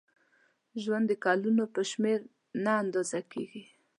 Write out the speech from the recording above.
ژوند د کلونو په شمېر نه اندازه کېږي.